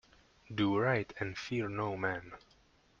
Do right and fear no man.